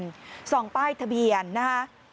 จะไปส่องป้ายทะเบียนนะค่ะ